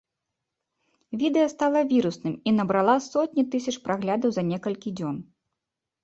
Відэа стала вірусным і набрала сотні тысяч праглядаў за некалькі дзён.